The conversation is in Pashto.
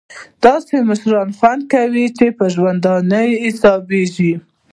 داسې مشران خوند کوي چې په ژوندیو حسابېږي.